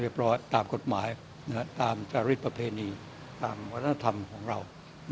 ร้อยตามกฎหมายตามจริตประเพณีตามวัฒนธรรมของเรา